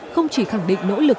không chỉ khẳng định nỗ lực